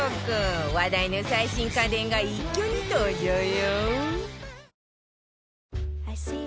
話題の最新家電が一挙に登場よ